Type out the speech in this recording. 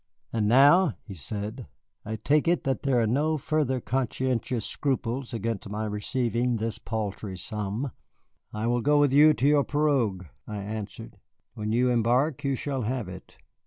"And now," he said, "I take it that there are no further conscientious scruples against my receiving this paltry sum." "I will go with you to your pirogue," I answered, "when you embark you shall have it."